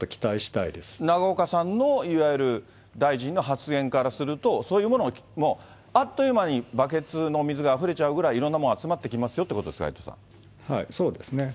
永岡さんのいわゆる大臣の発言からすると、そういうものもあっという間に、バケツの水があふれちゃうぐらい、いろんなもの集まってきますよということですか、そうですね。